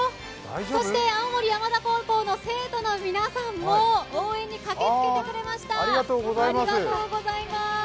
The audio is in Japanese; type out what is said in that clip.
そして青森山田高校の生徒の皆さんも応援に駆けつけてくれました。